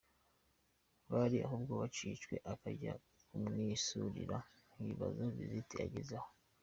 biri ahubwo yacitswe akajya kumwisurira, nkibaza visite yageze aho.